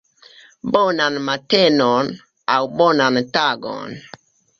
Bonan matenon, aŭ bonan tagon